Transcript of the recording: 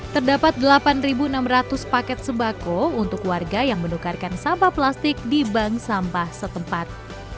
terdapat delapan enam ratus paket sembako untuk warga yang menukarkan sampah plastik di bank sampah setempat